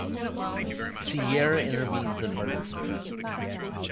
Sierra intervenes and murders her.